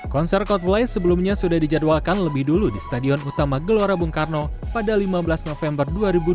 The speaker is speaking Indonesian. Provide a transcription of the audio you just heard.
konser coldplay sebelumnya sudah dijadwalkan lebih dulu di stadion utama gelora bung karno pada lima belas november dua ribu dua puluh